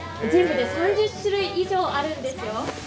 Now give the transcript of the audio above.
全部で３０種類以上あるんですよ。